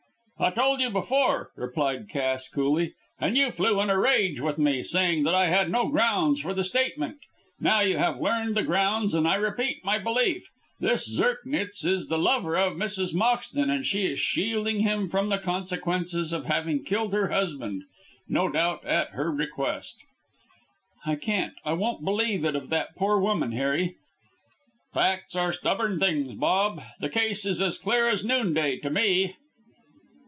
"I told you before," replied Cass, coolly, "and you flew in a rage with me, saying that I had no grounds for the statement. Now you have learned the grounds, and I repeat my belief. This Zirknitz is the lover of Mrs. Moxton, and she is shielding him from the consequences of having killed her husband no doubt at her request." "I can't I won't believe it of that poor woman, Harry." "Facts are stubborn things, Bob. The case is as clear as noonday to me."